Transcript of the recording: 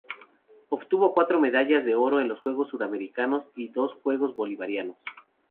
Obtuvo cuatro medallas de oro en los Juegos Suramericanos y dos en Juegos Bolivarianos.